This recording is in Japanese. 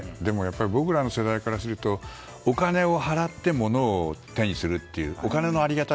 僕らの世代からするとお金を払って物を手にする。